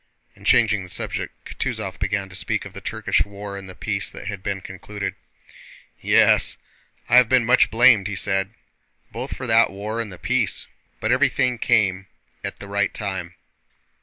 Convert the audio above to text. And changing the subject, Kutúzov began to speak of the Turkish war and the peace that had been concluded. "Yes, I have been much blamed," he said, "both for that war and the peace... but everything came at the right time.